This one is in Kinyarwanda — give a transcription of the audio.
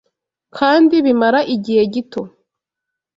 kandi bimara igihe gito